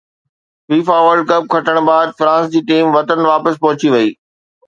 FIFA World Cup کٽڻ بعد France جي ٽيم وطن واپس پهچي وئي